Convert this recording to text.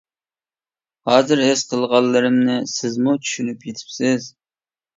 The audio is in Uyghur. ھازىر ھېس قىلغانلىرىمنى سىزمۇ چۈشىنىپ يىتىپسىز.